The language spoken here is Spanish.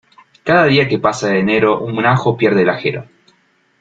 Cada día que pasa de enero, un ajo pierde el ajero.